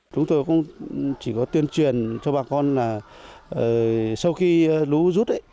chúng tôi cũng chỉ có tuyên truyền cho bà con là sau khi lũ rút ấy